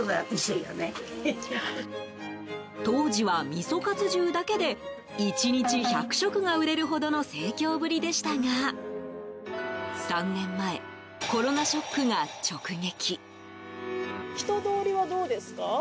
当時は、みそかつ重だけで１日１００食が売れるほどの盛況ぶりでしたが３年前、コロナショックが直撃。